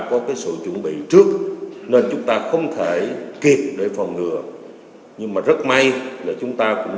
có cái sự chuẩn bị trước nên chúng ta không thể kịp để phòng ngừa nhưng mà rất may là chúng ta cũng